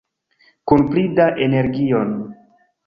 Kun pli da energio!